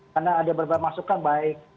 karena ada berbagai masukan baik